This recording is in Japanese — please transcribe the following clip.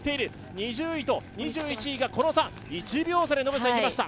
２０位と２１位がこの差、１秒差でいきました。